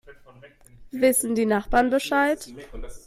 Wissen die Nachbarn Bescheid?